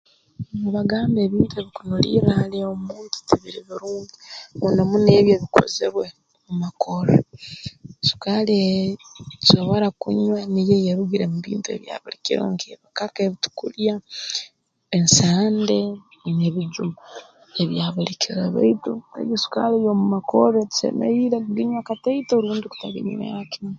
Nibagamba ebintu ebikunulirra hali omuntu tibiri birungi muno muno ebi ebikozerwe mu makorro sukaali ei tusobora kunywa niyo eyeerugire mu bintu ebya buli kiro nk'ebikaka ebi tukulya ensande n'ebijuma ebya buli kiro baitu egi sukaali ey'omu makorro tusemeriire kuginywa kataito rundi kutaginywera kimu